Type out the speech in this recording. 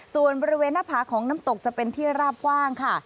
ส่วนบริเวณหน้าผาของน้ำตกจะเป็นที่ราบกว้างค่ะ